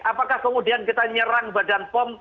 apakah kemudian kita nyerang badan pom